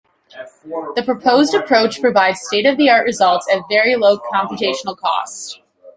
The proposed approach provides state-of-the-art results at very low computational cost.